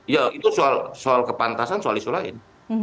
ya itu soal kepantasan soal isu lain